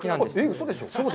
うそでしょう？